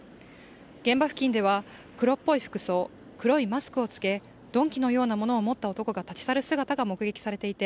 現場付近では、黒っぽい服装、黒いマスクを着け、鈍器のようなものを持った男が立ち去る姿が目撃されていて、